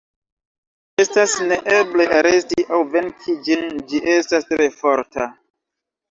Estas neeble aresti aŭ venki ĝin, ĝi estas tre forta.